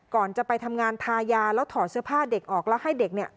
ก่อนจะไปทำงานทายาแล้วถอดเสื้อผ้าเด็กออกแล้วให้เด็กเนี่ย